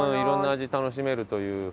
色んな味楽しめるという。